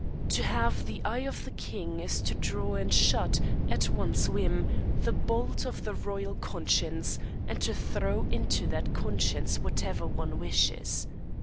To have the eye of the king is to draw and shut, at one's whim, the bolt of the royal conscience, and to throw into that conscience whatever one wishes.